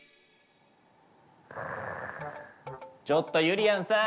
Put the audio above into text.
ちょっとゆりやんさん！